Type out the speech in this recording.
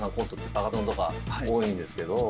『バカ殿』とか多いんですけど。